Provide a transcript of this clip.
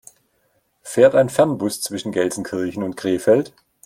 Fährt ein Fernbus zwischen Gelsenkirchen und Krefeld?